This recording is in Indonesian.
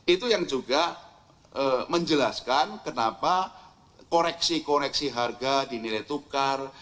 itu yang juga menjelaskan kenapa koreksi koreksi harga dinilai tukar